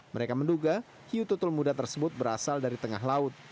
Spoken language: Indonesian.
mereka menduga hiu tutul muda tersebut berasal dari tengah laut